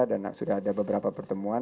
dan sudah ada beberapa pertemuan